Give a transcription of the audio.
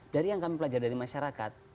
dari yang kami pelajar dari masyarakat